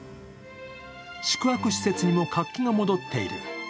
宿泊施設にも活気が戻っている。